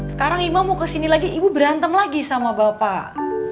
sekarang imam mau kesini lagi ibu berantem lagi sama bapak